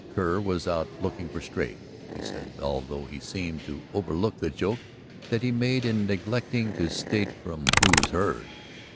Kerr was out looking for strays, he said, although he seemed to overlook the joke that he made in neglecting to state from whose herd.